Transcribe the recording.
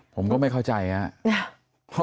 ผมก็ไม่เข้าใจอะ